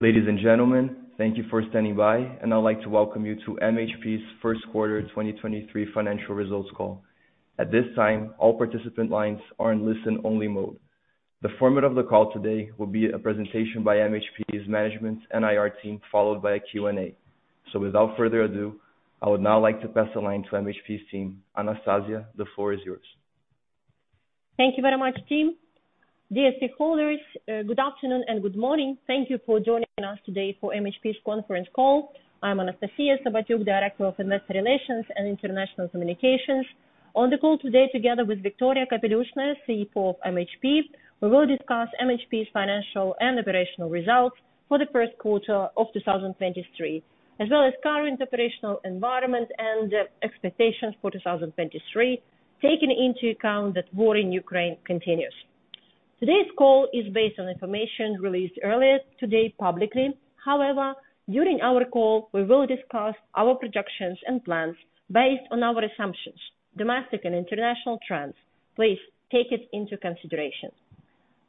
Ladies and gentlemen, thank you for standing by, and I'd like to welcome you to MHP First Quarter 2023 Financial Results Call. At this time, all participant lines are in listen-only mode. The format of the call today will be a presentation by MHP's management and IR team, followed by a Q&A. Without further ado, I would now like to pass the line to MHP team. Anastasiya, the floor is yours. Thank you very much, team. Dear stakeholders, good afternoon and good morning. Thank you for joining us today for MHP conference call. I'm Anastasiya Sobotyuk, Director of Investor Relations and International Communications. On the call today together with Viktoria Kapelyushna, CFO of MHP, we will discuss MHP's financial and operational results for the first quarter of 2023, as well as current operational environment and expectations for 2023, taking into account that war in Ukraine continues. Today's call is based on information released earlier today publicly. However, during our call, we will discuss our projections and plans based on our assumptions, domestic and international trends. Please take it into consideration.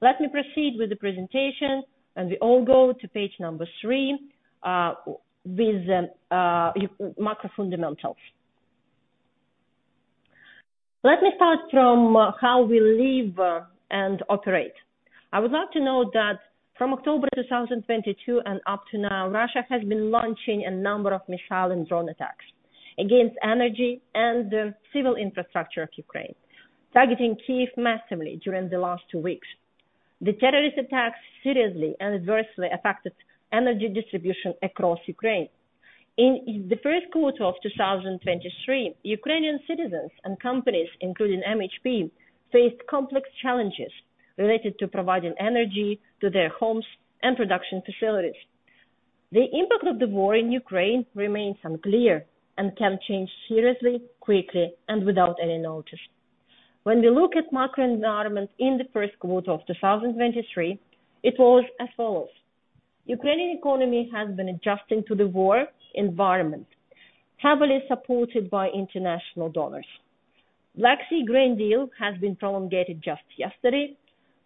Let me proceed with the presentation. We all go to page number three with macro fundamentals. Let me start from how we live and operate. I would love to note that from October 2022 and up to now, Russia has been launching a number of missile and drone attacks against energy and civil infrastructure of Ukraine, targeting Kyiv massively during the last 2 weeks. The terrorist attacks seriously and adversely affected energy distribution across Ukraine. In the first quarter of 2023, Ukrainian citizens and companies, including MHP, faced complex challenges related to providing energy to their homes and production facilities. The impact of the war in Ukraine remains unclear and can change seriously, quickly, and without any notice. When we look at macro environment in the first quarter of 2023, it was as follows: Ukrainian economy has been adjusting to the war environment, heavily supported by international donors. Black Sea Grain Deal has been prolongated just yesterday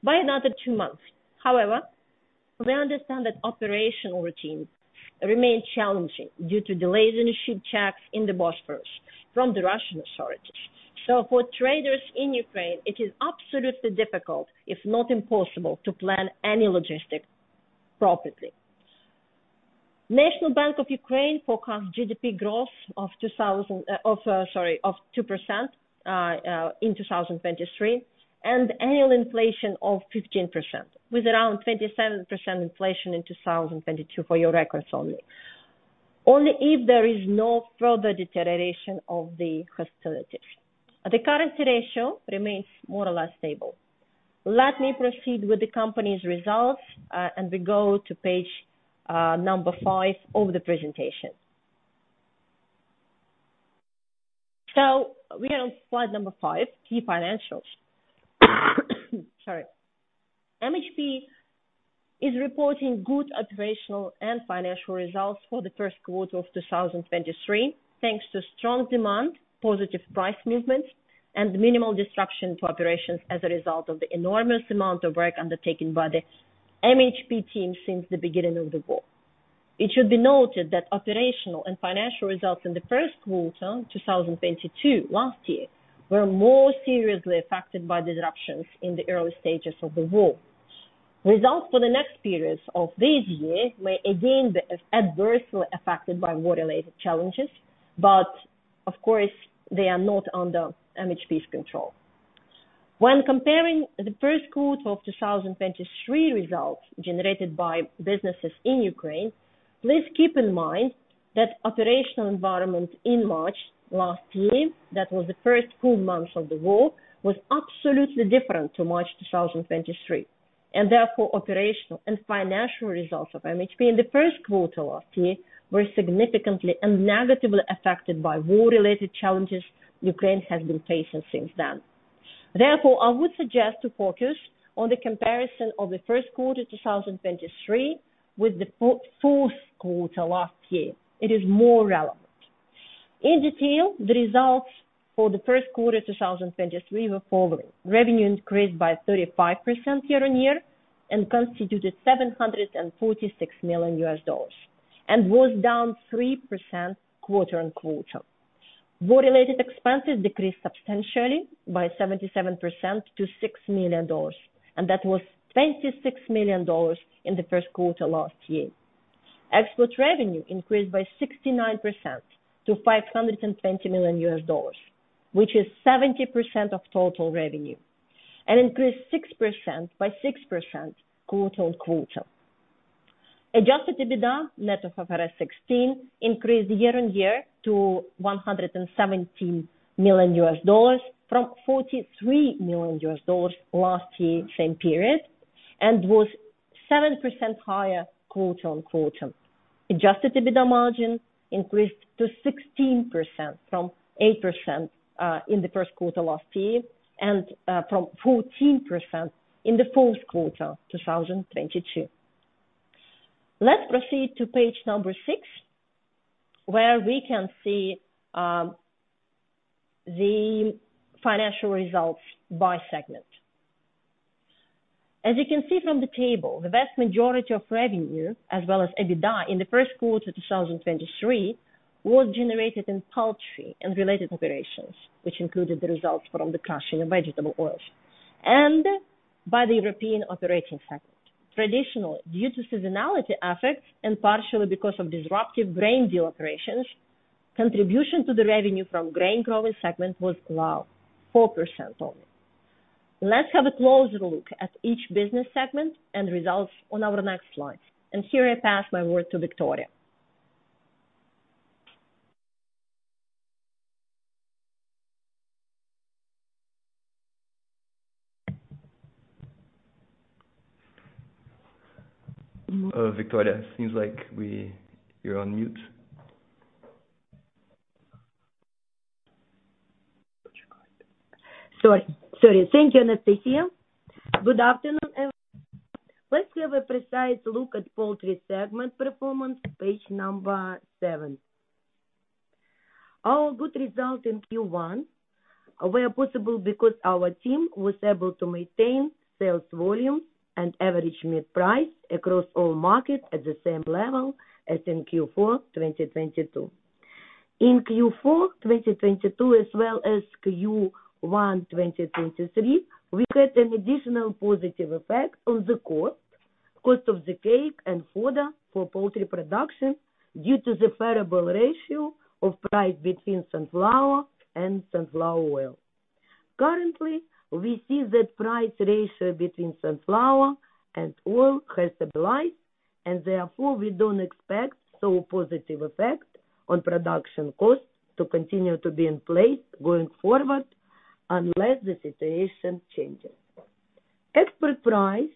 by another 2 months. However, we understand that operational routines remain challenging due to delays in ship checks in the Bosphorus from the Russian authorities. For traders in Ukraine, it is absolutely difficult, if not impossible, to plan any logistics properly. National Bank of Ukraine forecast GDP growth of, sorry, of 2% in 2023, and annual inflation of 15%, with around 27% inflation in 2022 for your records only if there is no further deterioration of the hostilities. The currency ratio remains more or less stable. Let me proceed with the company's results, and we go to page number five of the presentation. We are on slide number five, key financials. Sorry. MHP is reporting good operational and financial results for the first quarter of 2023, thanks to strong demand, positive price movements, and minimal disruption to operations as a result of the enormous amount of work undertaken by the MHP team since the beginning of the war. It should be noted that operational and financial results in the first quarter, 2022, last year, were more seriously affected by disruptions in the early stages of the war. Results for the next periods of this year may again be adversely affected by war-related challenges, but of course they are not under MHP control. When comparing the first quarter of 2023 results generated by businesses in Ukraine, please keep in mind that operational environment in March last year, that was the first full month of the war, was absolutely different to March 2023, and operational and financial results of MHP in the first quarter last year were significantly and negatively affected by war-related challenges Ukraine has been facing since then. I would suggest to focus on the comparison of the first quarter 2023 with the fourth quarter last year. It is more relevant. The results for the first quarter 2023 were following: revenue increased by 35% year-on-year and constituted $746 million and was down 3% quarter-on-quarter. War-related expenses decreased substantially by 77% to $6 million, and that was $26 million in the first quarter last year. Export revenue increased by 69% to $520 million, which is 70% of total revenue, and increased 6%, by 6% quarter-on-quarter. Adjusted EBITDA, net of IFRS 16, increased year-on-year to $117 million from $43 million last year same period and was 7% higher quarter on quarter. Adjusted EBITDA margin increased to 16% from 8% in the first quarter last year and from 14% in the fourth quarter 2022. Let's proceed to page number six, where we can see, The financial results by segment. As you can see from the table, the vast majority of revenue as well as EBITDA in the first quarter 2023 was generated in poultry and related operations, which included the results from the crushing of vegetable oils and by the European Operating Segment. Traditionally, due to seasonality effects and partially because of disruptive grain deal operations, contribution to the revenue from grain growing segment was low, 4% only. Let's have a closer look at each business segment and results on our next slide. Here I pass my word to Viktoria. Viktoria, seems like you're on mute. Sorry. Thank you, Anastasiya. Good afternoon, everyone. Let's have a precise look at poultry segment performance, page number seven. Our good result in Q1 were possible because our team was able to maintain sales volume and average mid-price across all markets at the same level as in Q4 2022. In Q4 2022 as well as Q1 2023, we had an additional positive effect on the cost of the cake and fodder for poultry production due to the favorable ratio of price between sunflower and sunflower oil. Currently, we see that price ratio between sunflower and oil has stabilized. Therefore, we don't expect so positive effect on production costs to continue to be in place going forward, unless the situation changes. Export price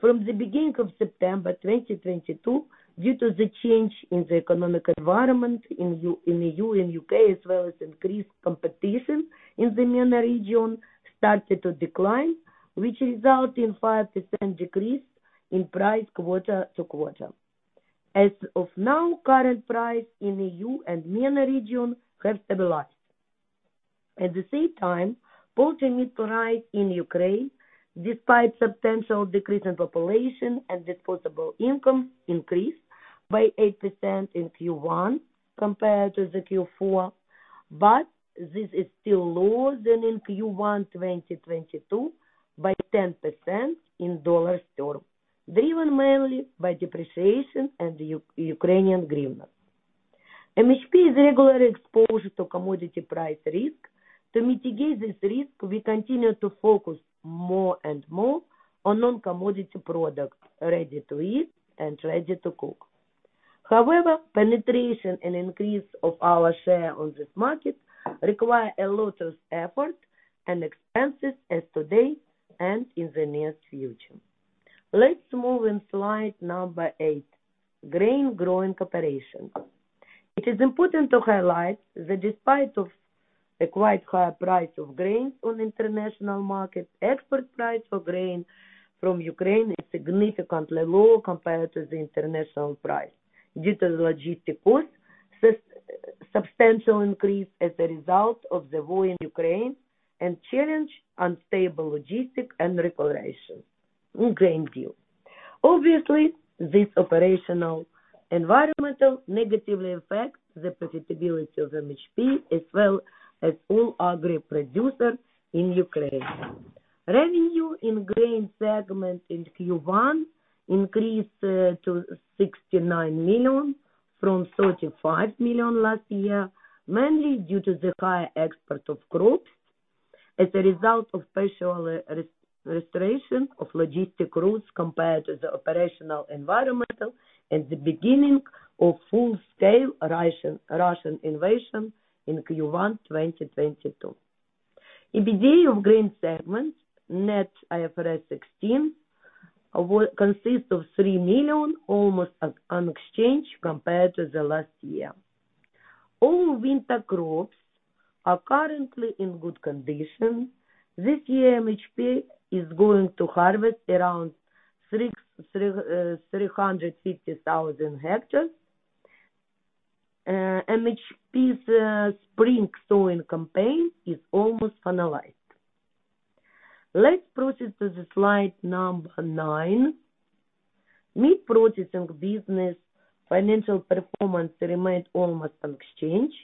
from the beginning of September 2022, due to the change in the economic environment in E.U. and U.K., as well as increased competition in the MENA region, started to decline, which result in 5% decrease in price quarter-to-quarter. As of now, current price in E.U. and MENA region have stabilized. At the same time, poultry meat price in Ukraine, despite substantial decrease in population and disposable income increased by 8% in Q1 compared to the Q4 but this is still lower than in Q1 2022 by 10% in dollars term, driven mainly by depreciation and Ukrainian hryvnia. MHP is regularly exposed to commodity price risk. To mitigate this risk, we continue to focus more and more on non-commodity product ready to eat and ready to cook. Penetration and increase of our share on this market require a lot of effort and expenses as today and in the near future. Let's move in slide number eight, grain growing operation. It is important to highlight that despite of a quite high price of grains on international market, export price for grain from Ukraine is significantly lower compared to the international price due to logistic cost substantial increase as a result of the war in Ukraine and challenge unstable logistic and reparations in grain deal. This operational environmental negatively affects the profitability of MHP as well as all agri producer in Ukraine. Revenue in grain segment in Q1 increased to $69 million from $35 million last year, mainly due to the high export of crops as a result of partial restoration of logistics routes compared to the operational environment at the beginning of full-scale Russian invasion in Q1 2022. EBITDA of grain segment net IFRS 16 consists of $3 million, almost unexchanged compared to the last year. All winter crops are currently in good condition. This year, MHP is going to harvest around 350,000 hectares. MHP's spring sowing campaign is almost finalized. Let's proceed to the slide number nine. Meat processing business financial performance remained almost unchanged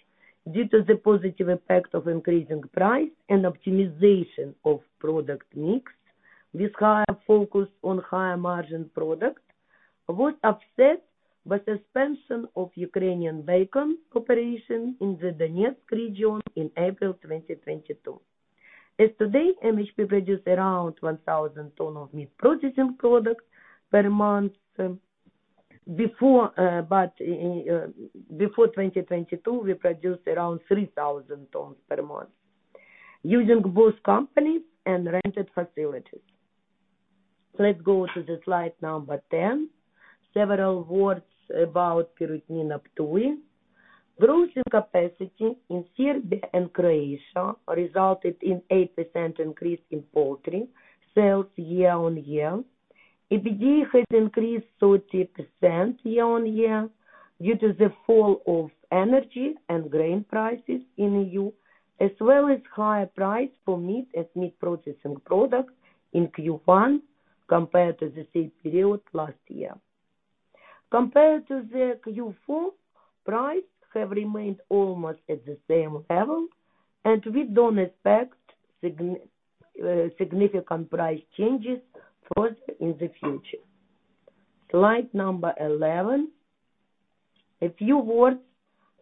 due to the positive effect of increasing price and optimization of product mix with higher focus on higher margin product, was offset by suspension of Ukrainian bacon operations in the Donetsk region in April 2022. As of today, MHP produced around 1,000 tons of meat processing products per month. Before 2022, we produced around 3,000 tons per month using both company and rented facilities. Let's go to slide number 10. Several words about Perutnina Ptuj. Growth in capacity in Serbia and Croatia resulted in 8% increase in poultry sales year-on-year. EBITDA has increased 30% year-on-year due to the fall of energy and grain prices in E.U. as well as higher price for meat and meat processing products in Q1 compared to the same period last year. Compared to the Q4, price have remained almost at the same level we don't expect significant price changes further in the future. Slide number 11. A few words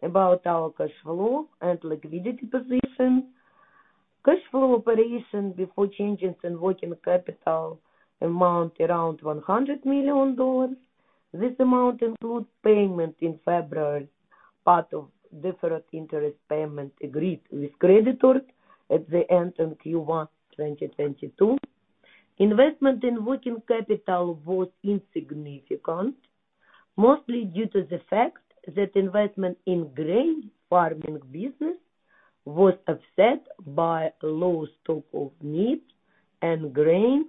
about our cash flow and liquidity position. Cash flow operation before changes in working capital amount around $100 million. This amount includes payment in February, part of deferred interest payment agreed with creditors at the end of Q1 2022. Investment in working capital was insignificant, mostly due to the fact that investment in grain farming business was upset by low stock of meat and grains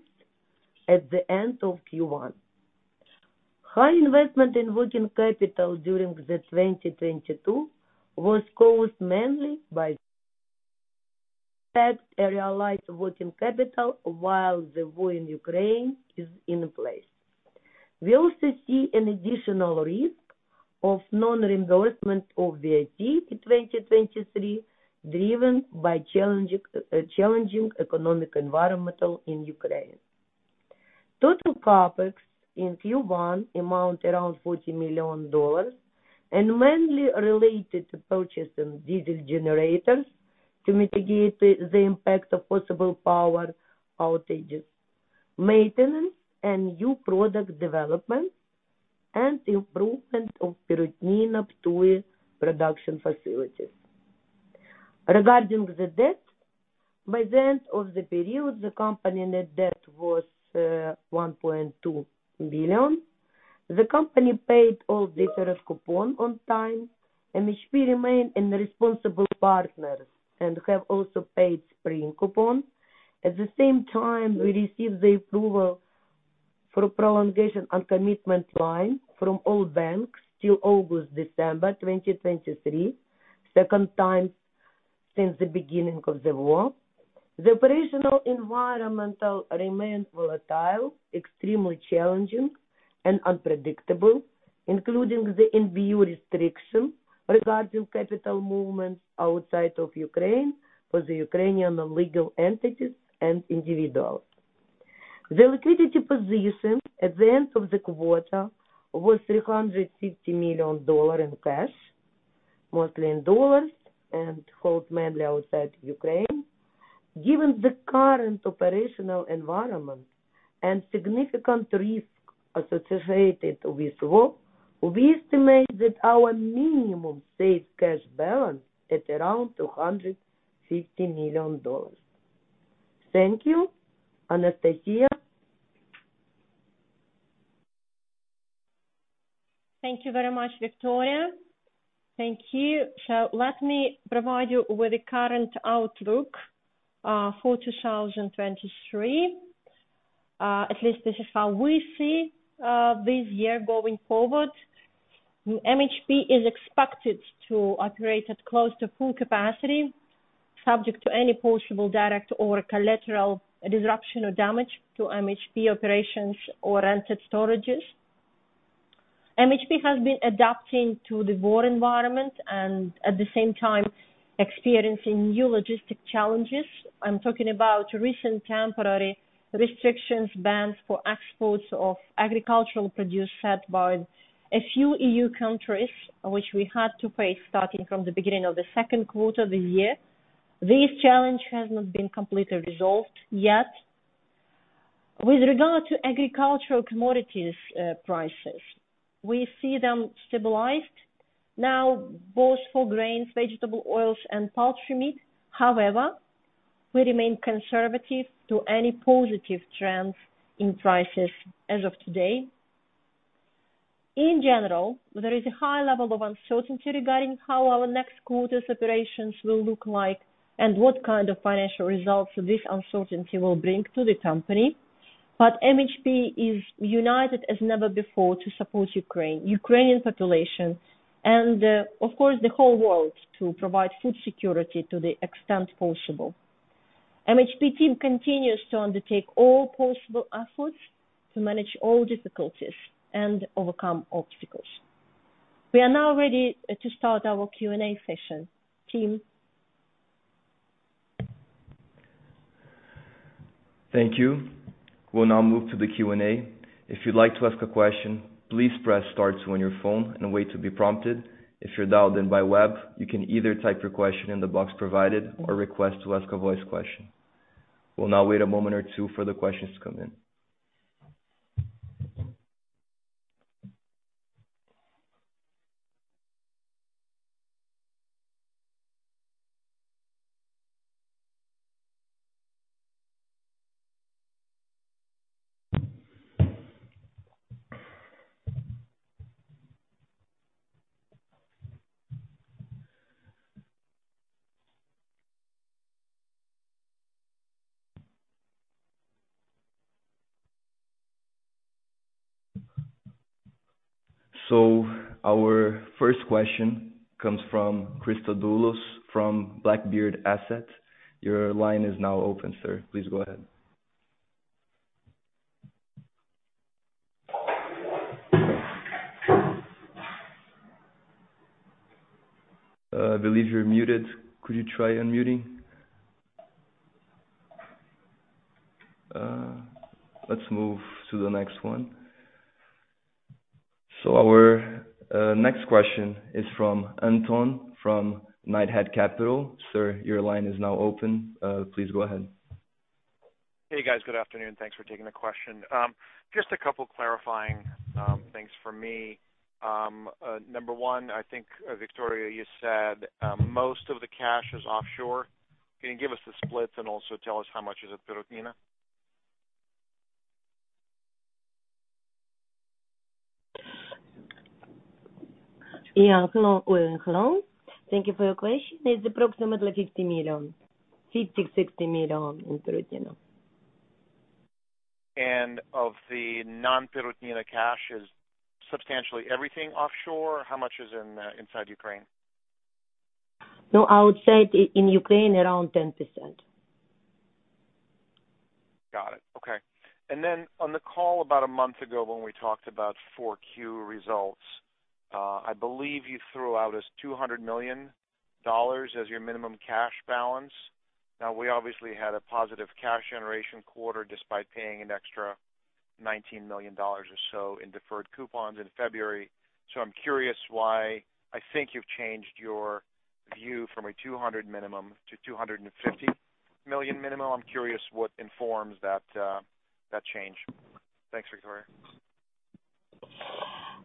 at the end of Q1. High investment in working capital during the 2022 was caused mainly by fact a realized working capital while the war in Ukraine is in place. We also see an additional risk of non-reimbursement of VAT in 2023, driven by challenging economic environmental in Ukraine. Total CapEx in Q1 amount around $40 million and mainly related to purchasing diesel generators to mitigate the impact of possible power outages, maintenance and new product development and improvement of production facilities. Regarding the debt, by the end of the period, the company net debt was $1.2 billion. The company paid all deferred coupon on time, MHP remain in responsible partners and have also paid spring coupon. At the same time, we received the approval for prolongation on commitment line from all banks till August, December 2023, second time since the beginning of the war. The operational environmental remains volatile, extremely challenging and unpredictable, including the NBU restriction regarding capital movements outside of Ukraine for the Ukrainian legal entities and individuals. The liquidity position at the end of the quarter was $350 million in cash, mostly in dollars and held mainly outside of Ukraine. Given the current operational environment and significant risk associated with war, we estimate that our minimum safe cash balance at around $250 million. Thank you. Anastasiya. Thank you very much, Viktoria. Thank you. Let me provide you with the current outlook for 2023. At least this is how we see this year going forward. MHP is expected to operate at close to full capacity, subject to any possible direct or collateral disruption or damage to MHP operations or rented storages. MHP has been adapting to the war environment and at the same time experiencing new logistic challenges. I'm talking about recent temporary restrictions bans for exports of agricultural produce set by a few E.U. countries, which we had to face starting from the beginning of the second quarter of the year. This challenge has not been completely resolved yet. With regard to agricultural commodities, prices, we see them stabilized now both for grains, vegetable oils and poultry meat. However, we remain conservative to any positive trends in prices as of today. In general, there is a high level of uncertainty regarding how our next quarter's operations will look like and what kind of financial results this uncertainty will bring to the company. MHP is united as never before to support Ukraine, Ukrainian population and, of course, the whole world to provide food security to the extent possible. MHP team continues to undertake all possible efforts to manage all difficulties and overcome obstacles. We are now ready to start our Q&A session. Team. Thank you. We'll now move to the Q&A. If you'd like to ask a question, please press star two on your phone and wait to be prompted. If you're dialed in by web, you can either type your question in the box provided or request to ask a voice question. We'll now wait a moment or two for the questions to come in. Our first question comes from Christodoulos from Blackbeard Asset. Your line is now open, sir. Please go ahead. I believe you're muted. Could you try unmuting? Let's move to the next one. Our next question is from Anton from Knighthead Capital. Sir, your line is now open. Please go ahead. Hey, guys. Good afternoon. Thanks for taking the question. Just a couple clarifying things for me. Number one, I think, Viktoria, you said, most of the cash is offshore. Can you give us the splits and also tell us how much is at Perutnina Ptuj? Yeah. Hello. Well, hello. Thank you for your question. It's approximately $50 million. $50 million-$60 million in Perutnina Ptuj. Of the non-Perutnina cash is substantially everything offshore? How much is in inside Ukraine? No, outside. In Ukraine, around 10%. Got it. Okay. On the call about a month ago when we talked about 4Q results, I believe you threw out as $200 million as your minimum cash balance. Now, we obviously had a positive cash generation quarter despite paying an extra $19 million or so in deferred coupons in February. I'm curious why I think you've changed your view from a $200 minimum to $250 million minimum? I'm curious what informs that change. Thanks, Viktoria.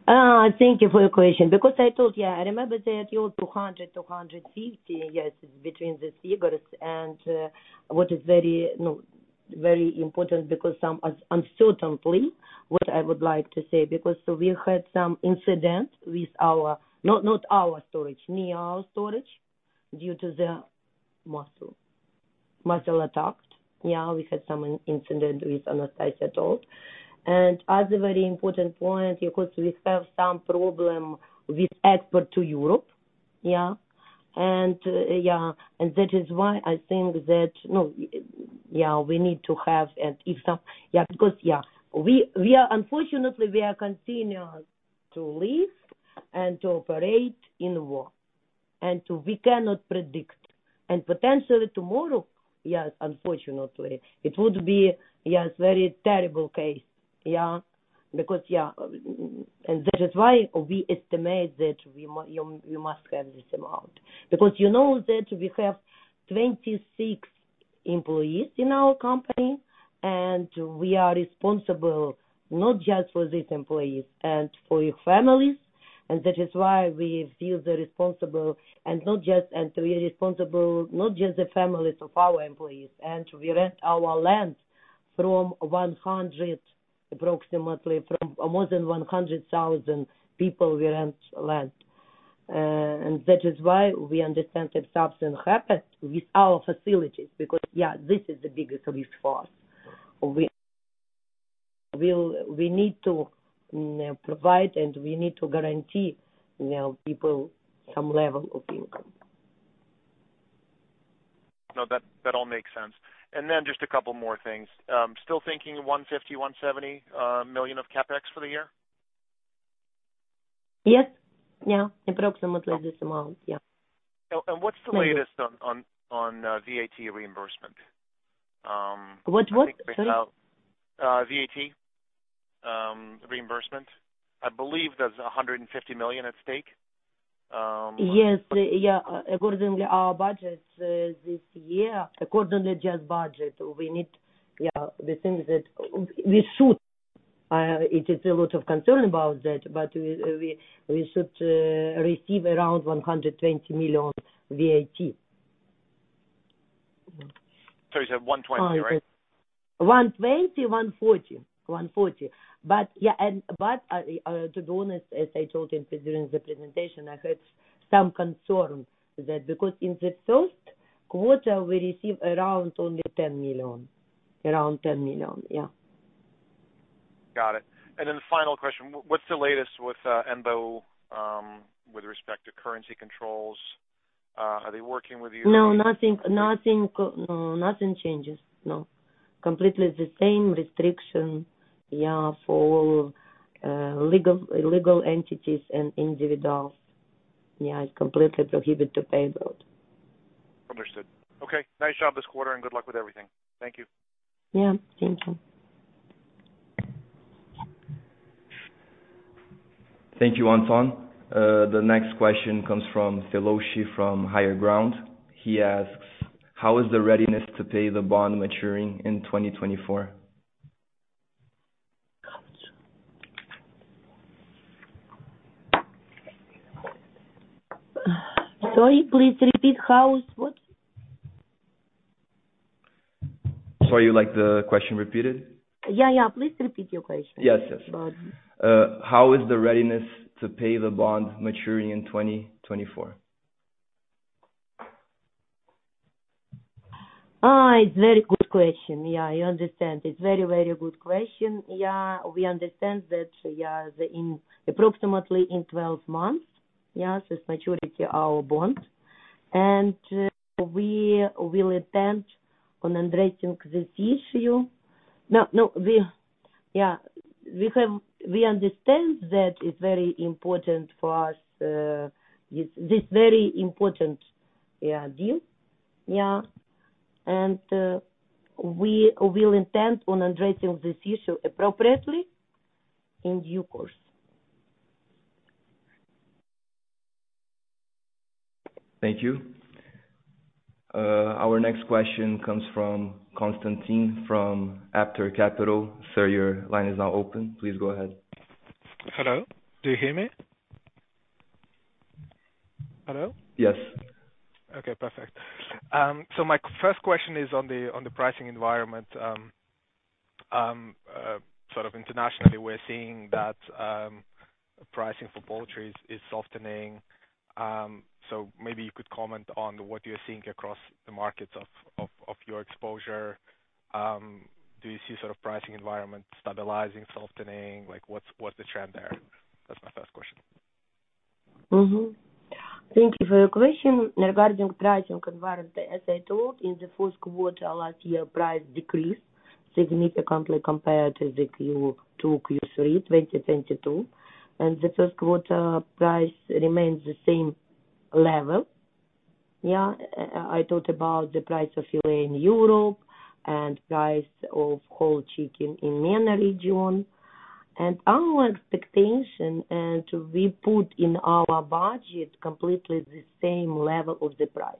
Thank you for your question. I told you, I remember that you were $200 million-$250 million. Between the figures and what is very, very important because some uncertainly, what I would like to say because we had some incident with our not our storage, near our storage, due to the missile attacked. We had some incident with any assets at all. Other very important point, because we have some problem with export to Europe. That is why I think that we need to have an. Unfortunately, we are continuing to live and to operate in war. We cannot predict. Potentially tomorrow, unfortunately, it would be very terrible case. That is why we estimate that you must have this amount. You know that we have 26 employees in our company, and we are responsible not just for these employees and for their families. That is why we feel the responsible and not just, and to be responsible, not just the families of our employees. We rent our land from 100, approximately from more than 100,000 people we rent land. That is why we understand that something happened with our facilities because, yeah, this is the biggest risk for us. We need to provide and we need to guarantee, you know, people some level of income. That all makes sense. Just a couple more things. Still thinking $150 million-$170 million of CapEx for the year? Yes. Yeah. Approximately this amount. Yeah. And what's the latest on VAT reimbursement? What? What? Sorry. VAT reimbursement? I believe there's $150 million at stake. Yes. According our budget, this year, accordingly just budget, we need, we think that we should, it is a lot of concern about that, but we should receive around $120 million VAT. Sorry. You said $120 million right? $120 million-$140 million. $140 million. Yeah, to be honest, as I told you during the presentation, I have some concern that because in the first quarter, we receive around only $10 million. Around $10 million, yeah. Got it. The final question. What's the latest with NBU with respect to currency controls? Are they working with you? No, nothing changes. No. Completely the same restriction, yeah, for all legal entities and individuals. Yeah. It's completely prohibited to pay NBU. Understood. Okay. Nice job this quarter, and good luck with everything. Thank you. Yeah. Thank you. Thank you, Anton. The next question comes from Feloshi from Higher Ground. He asks, how is the readiness to pay the bond maturing in 2024? Sorry. Please repeat. How is what? Sorry, you'd like the question repeated? Yeah. Please repeat your question. Yes. Yes. How is the readiness to pay the bond maturing in 2024? It's very good question. I understand. It's very good question. We understand that approximately in 12 months, yes, is maturity our bond. We will intend on addressing this issue. No, we understand that it's very important for us, this very important deal. We will intend on addressing this issue appropriately in due course. Thank you. Our next question comes from Konstantin from Aptior Capital. Sir, your line is now open. Please go ahead. Hello. Do you hear me? Hello? Yes. Okay, perfect. My first question is on the pricing environment. Sort of internationally, we're seeing that pricing for poultry is softening. Maybe you could comment on what you're seeing across the markets of your exposure. Do you see sort of pricing environment stabilizing, softening? Like, what's the trend there? That's my first question. Thank you for your question. Regarding pricing environment, as I told, in the first quarter last year, price decreased significantly compared to the Q2, Q3 2022. The first quarter price remains the same level, yeah. I talked about the price of laying Europe and price of whole chicken in MENA region. Our expectation, and we put in our budget completely the same level of the price.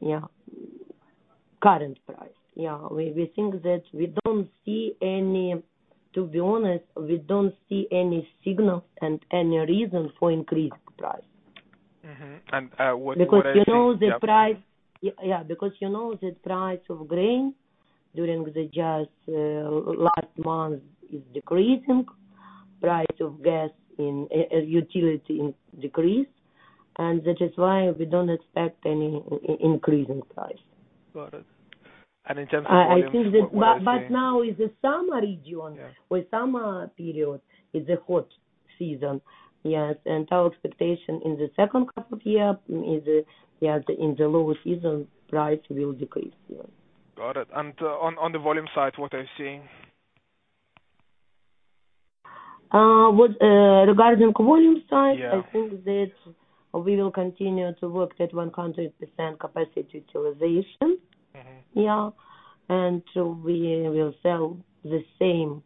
Yeah, current price. Yeah. We think that to be honest, we don't see any signal and any reason for increased price. Mm-hmm. What are you- Because you know the price- Yeah. Yeah. You know the price of grain during the just last month is decreasing. Price of gas in utility decrease. That is why we don't expect any increase in price. Got it. In terms of volume, what are you seeing? I think that. Now is the summer region. With summer period is a hot season. Yes, our expectation in the second half of year is in the lower season, price will decrease. Got it. On the volume side, what are you seeing? With, regarding volume side? Yeah I think that we will continue to work at 100% capacity utilization. Mm-hmm. Yeah. We will sell the same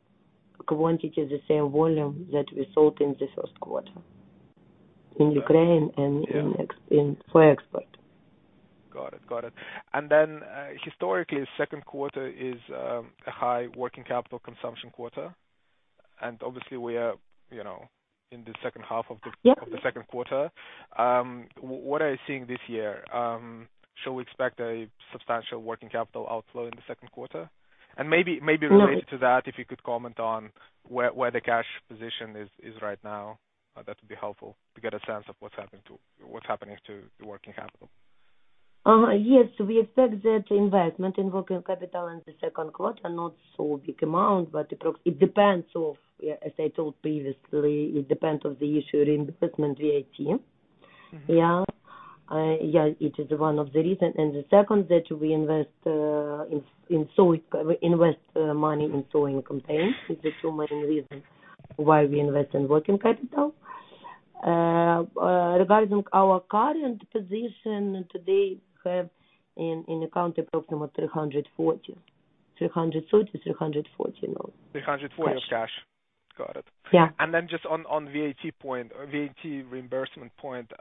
quantity, the same volume that we sold in this first quarter, in Ukraine and for export. Got it. Got it. Historically, second quarter is a high working capital consumption quarter. Obviously, we are, you know, in the second half of the second quarter. What are you seeing this year? Shall we expect a substantial working capital outflow in the second quarter? Maybe related to that? If you could comment on where the cash position is right now. That would be helpful to get a sense of what's happening to the working capital? Yes. We expect that investment in working capital in the second quarter, not so big amount, but it depends of, yeah, as I told previously, it depends on the issue reimbursement VAT. Yeah. Yeah, it is one of the reason. The second that we invest, in sowing, invest money in sowing campaigns. Is the two main reasons why we invest in working capital. Regarding our current position today, we have in account approximately $340 million, $330 million-340 million now. $340 million of cash? Yeah. Got it. Yeah. Just on VAT point, VAT reimbursement point,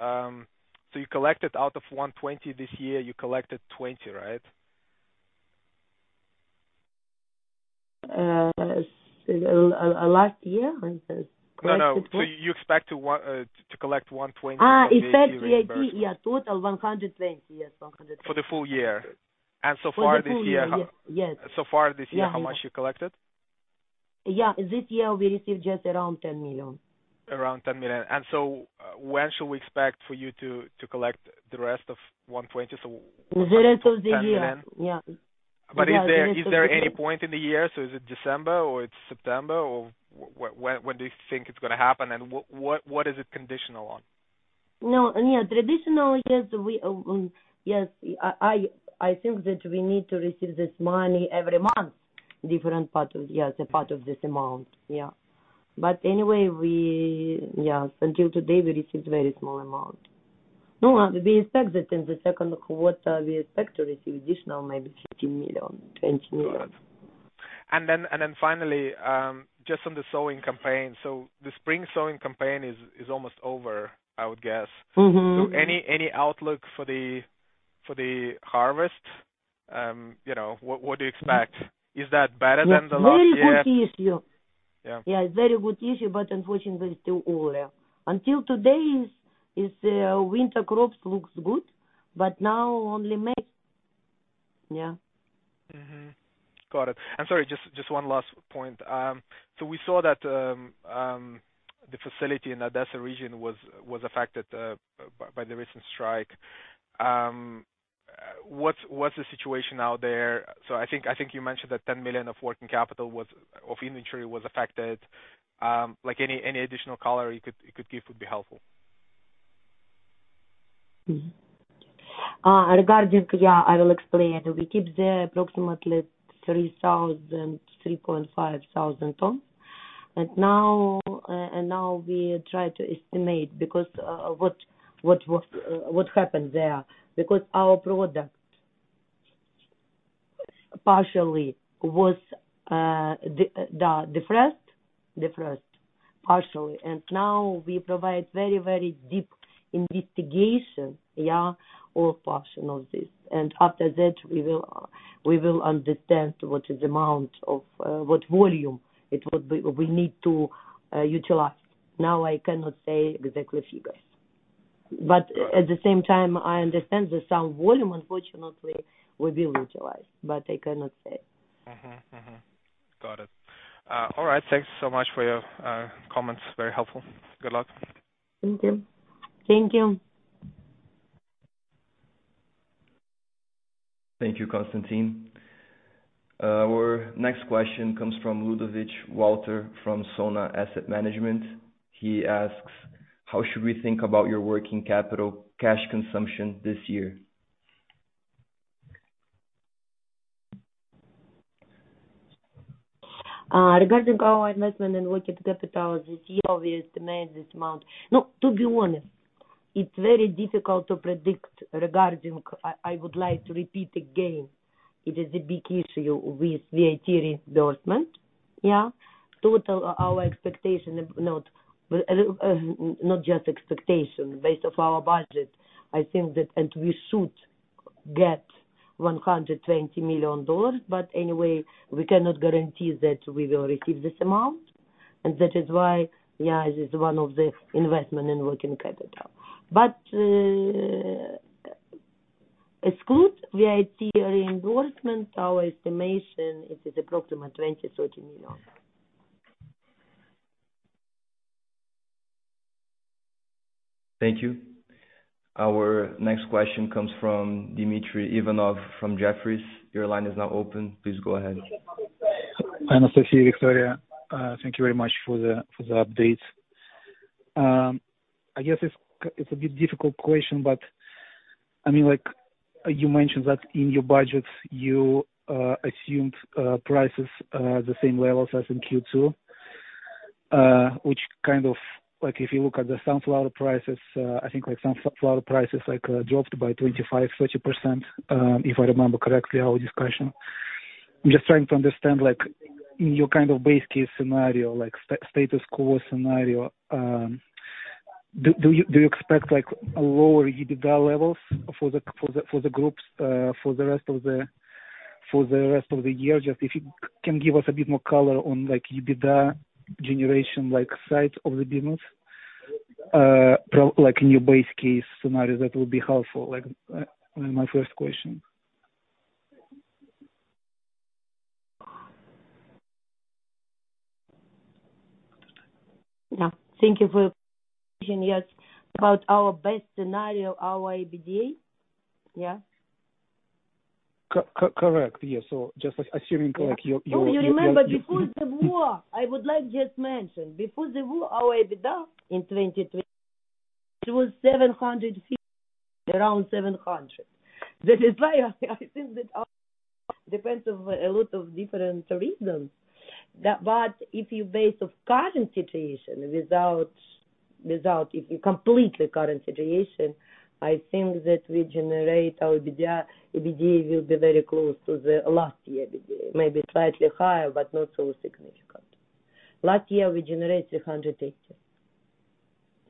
you collected out of $120 million this year, you collected $20 million, right? Last year? Like, No, no. you expect to collect $120 million in VAT reimbursement. Expect VAT. Yeah, total $120 million. Yes, $120 million. For the full year? For the full year. So far this year. Yes. Far this year, how much you collected? Yeah. This year we received just around $10 million. Around $10 million. When shall we expect for you to collect the rest of $120 million? The rest of the year. $10 million? Yeah. The rest of the year. Is there any point in the year? Is it December or it's September or when do you think it's gonna happen, and what is it conditional on? No. Yeah, traditional, yes, we, yes, I think that we need to receive this money every month, different part of, yeah, the part of this amount. Yeah. Yeah, until today we received very small amount. No, we expect that in the second quarter, we expect to receive additional maybe $15 million, $20 million. Got it. Finally, just on the sewing campaign. The spring sewing campaign is almost over, I would guess. Mm-hmm. Any outlook for the harvest? You know, what do you expect? Is that better than the last year? It's very good issue, but unfortunately it's too early. Until today is winter crops looks good, now only May. Got it. I'm sorry, just one last point. We saw that the facility in Odesa region was affected by the recent strike. What's the situation out there? I think you mentioned that $10 million of working capital of inventory was affected. Like, any additional color you could give would be helpful. Regarding, I will explain. We keep the approximately 3,000 tons-3,500 tons. Now we try to estimate because what happened there, because our product partially was defrost partially, now we provide very, very deep investigation, all portion of this. After that, we will understand what is amount of, what volume we need to utilize. Now, I cannot say exactly figures. At the same time, I understand that some volume unfortunately will be utilized, but I cannot say. Mm-hmm. Mm-hmm. Got it. All right. Thanks so much for your comments. Very helpful. Good luck. Thank you. Thank you. Thank you, Konstantin. Our next question comes from Ludovic Walter, from Sona Asset Management. He asks, how should we think about your working capital cash consumption this year? Regarding our investment in working capital this year, we estimate this amount. No, to be honest, it's very difficult to predict regarding, I would like to repeat again, it is a big issue with VAT reimbursement, yeah. Total our expectation of not just expectation. Based of our budget, I think that we should get $120 million, anyway, we cannot guarantee that we will receive this amount. That is why, yeah, it is one of the investment in working capital. Exclude VAT reimbursement, our estimation it is approximately $20 million-$30 million. Thank you. Our next question comes from Dmitry Ivanov from Jefferies. Your line is now open. Please go ahead. Hi, Anastasiya, Viktoria. Thank you very much for the update. I guess it's a bit difficult question, but I mean, like, you mentioned that in your budget you assumed prices the same levels as in Q2, which kind of... like if you look at the sunflower prices, I think sunflower prices dropped by 25%-30% if I remember correctly our discussion. I'm just trying to understand, like, your kind of base case scenario, like status quo scenario. Do you expect like lower EBITDA levels for the groups for the rest of the year? Just if you can give us a bit more color on like EBITDA generation like sides of the business? Like in your base case scenario, that would be helpful, like, my first question. Yeah. Thank you for question. Yes. About our base scenario, our EBITDA? Yeah. Correct. Yes. just assuming like your. Oh, you remember before the war, I would like just mention, before the war, our EBITDA in 2022 was $750 million, around $700 million. That is why I think that our depends on a lot of different reasons. If you base of current situation without if you complete the current situation, I think that we generate our EBITDA will be very close to the last year EBITDA. Maybe slightly higher, but not so significant. Last year we generated $180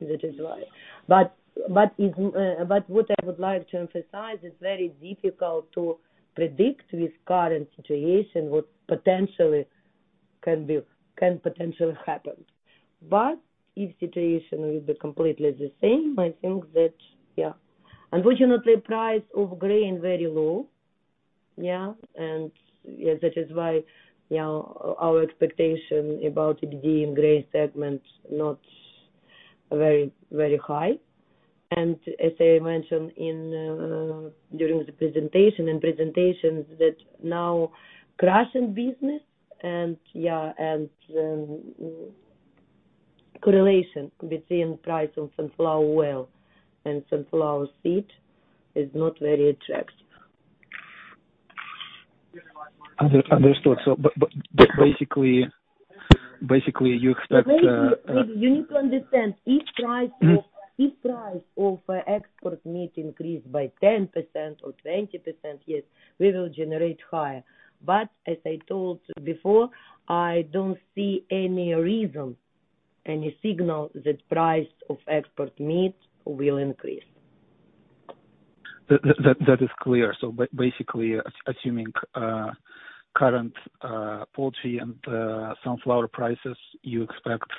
million. That is why. What I would like to emphasize, it's very difficult to predict with current situation what potentially can potentially happen. If situation will be completely the same, I think that, yeah. Unfortunately, price of grain very low, yeah. That is why our expectation about EBITDA in grain segment not very high. As I mentioned during the presentation, in presentations that now crushing business and correlation between price of sunflower oil and sunflower seed is not very attractive. Understood. basically you expect Basically, you need to understand. If price of export meat increase by 10% or 20%, yes, we will generate higher. As I told before, I don't see any reason, any signal that price of export meat will increase. That is clear. Basically, assuming current poultry and sunflower prices, you expect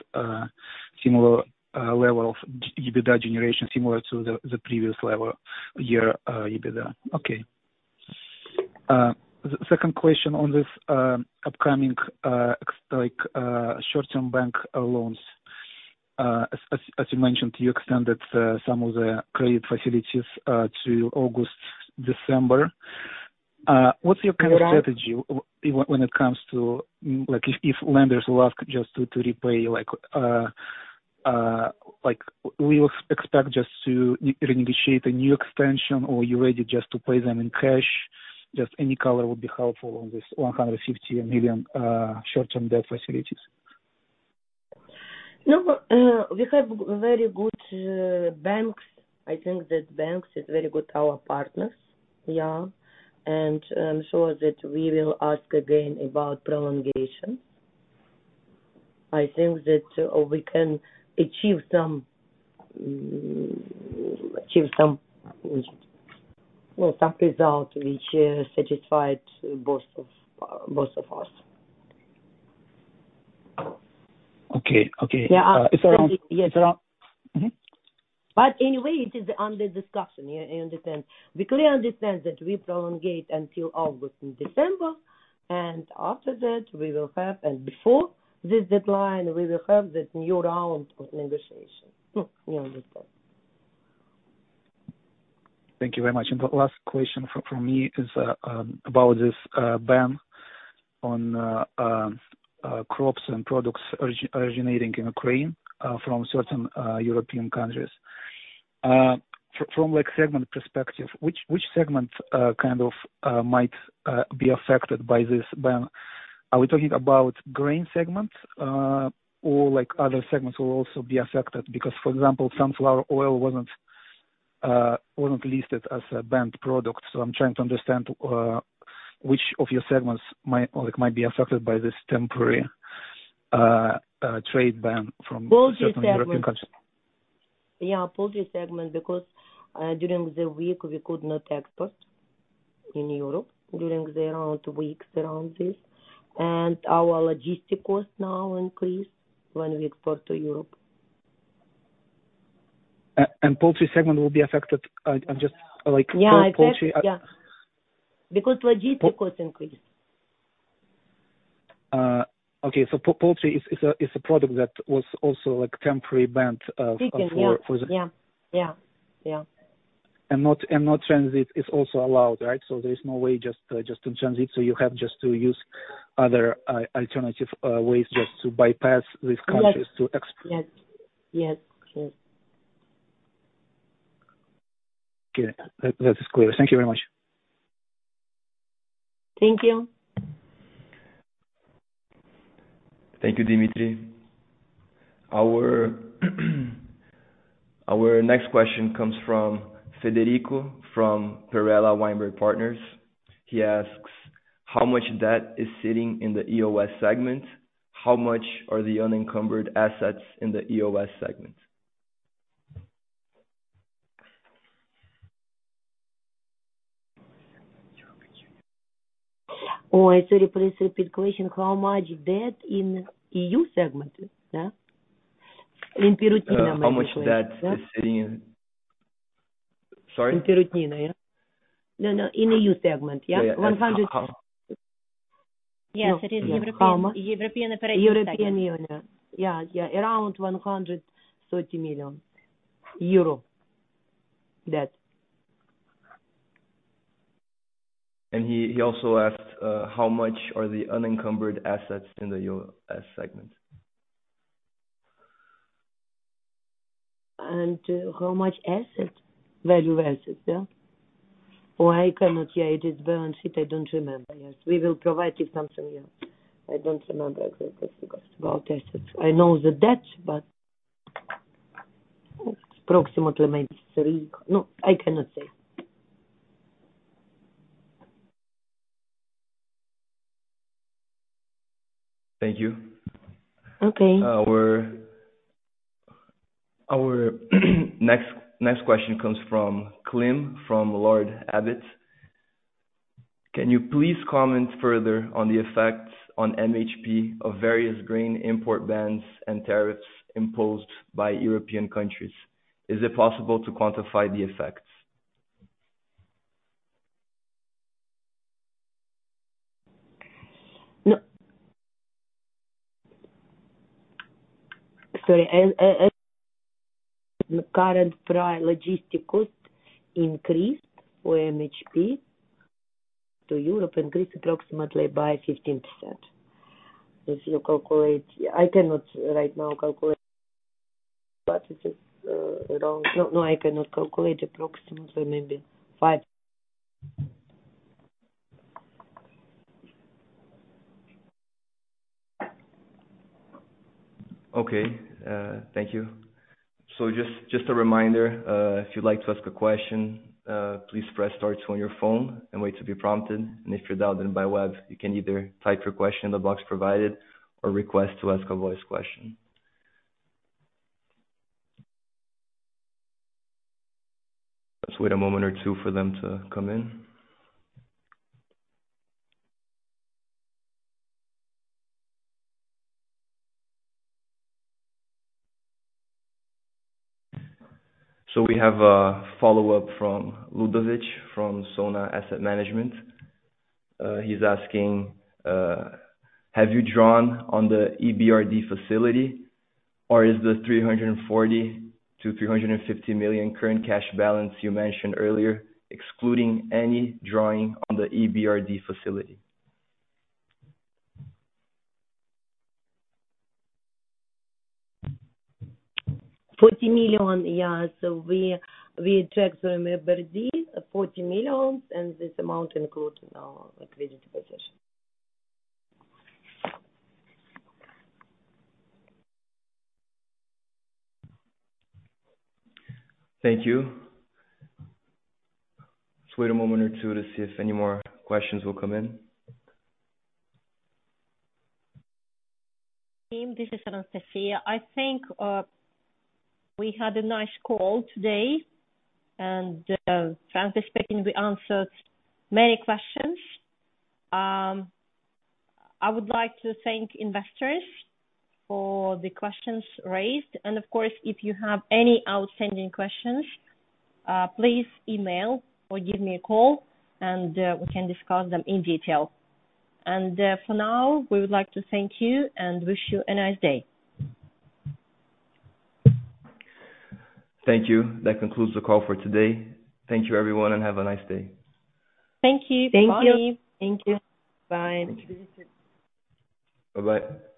similar level of EBITDA generation similar to the previous level year EBITDA. Okay. The second question on this upcoming short term bank loans. As you mentioned, you extended some of the credit facilities to August, December. Yeah. What's your current strategy when it comes to, like if lenders will ask just to repay like we expect just to re-negotiate a new extension or are you ready just to pay them in cash? Just any color would be helpful on this $160 million short term debt facilities. No, we have very good banks. I think that banks is very good our partners. Yeah. I'm sure that we will ask again about prolongation. I think that we can achieve some, well, some result which satisfied both of us. Okay. Okay. Yeah. Is there? Yes. Mm-hmm. Anyway, it is under discussion. You understand? We clearly understand that we prolongate until August and December. Before this deadline, we will have that new round of negotiation. No, you understand. Thank you very much. The last question from me is about this ban on crops and products originating in Ukraine from certain European countries. From like segment perspective, which segment kind of might be affected by this ban? Are we talking about grain segment or like other segments will also be affected? For example, sunflower oil wasn't listed as a banned product. I'm trying to understand which of your segments might or like might be affected by this temporary trade ban from. Poultry segment.... Certain European countries. Poultry segment because, during the week we could not export in Europe during the around weeks around this. Our logistic cost now increased when we export to Europe. Poultry segment will be affected, I'm just like. Yeah, exactly, yeah. Uh- Logistic cost increased. Okay. Poultry is a product that was also like temporary banned for the. Chicken, yeah. Yeah. Yeah. Yeah. Not transit is also allowed, right? There is no way just to transit, you have just to use other alternative ways just to bypass these countries. Yes. Yes. Okay. That is clear. Thank you very much. Thank you. Thank you, Dmitry. Our next question comes from Federico from Perella Weinberg Partners. He asks, how much debt is sitting in the EOS segment? How much are the unencumbered assets in the EOS segment? Oh, sorry, please repeat question. How much debt in E.U. segment, yeah? How much debt? Sorry. Yeah. No, no. In E.U. segment, yeah. Yeah. Yes, it is European. How much- European. European Union. Yeah. Around EUR 130 million debt. He also asked, how much are the unencumbered assets in the EOS segment? How much asset? Value assets, yeah? Oh, I cannot. Yeah, it is balance sheet, I don't remember. Yes. We will provide you something, yeah. I don't remember the about assets. I know the debt, but approximately maybe three... No, I cannot say. Thank you. Okay. Our next question comes from Clem from Lord Abbett. Can you please comment further on the effects on MHP of various grain import bans and tariffs imposed by European countries? Is it possible to quantify the effects? No. Sorry. The current logistic cost increased for MHP to Europe increased approximately by 15%. If you calculate... I cannot right now calculate, but it is around... No, I cannot calculate. Approximately maybe five... Okay. Thank you. Just a reminder, if you'd like to ask a question, please press startwo on your phone and wait to be prompted. If you're dialed in by web, you can either type your question in the box provided or request to ask a voice question. Let's wait a moment or two for them to come in. We have a follow-up from Ludovic from Sona Asset Management. He's asking, have you drawn on the EBRD facility or is the $340 million-$350 million current cash balance you mentioned earlier excluding any drawing on the EBRD facility? $40 million, yeah. We checked the EBRD $40 million, and this amount include in our liquidity position. Thank you. Let's wait a moment or two to see if any more questions will come in. Team, this is Anastasia. I think we had a nice call today. Pantsos, I think we answered many questions. I would like to thank investors for the questions raised. Of course, if you have any outstanding questions, please email or give me a call and we can discuss them in detail. For now, we would like to thank you and wish you a nice day. Thank you. That concludes the call for today. Thank you everyone, and have a nice day. Thank you. Thank you. Bye. Bye-bye.